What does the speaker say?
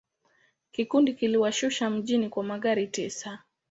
Kikundi kiliwashusha mjini kwa magari tisa.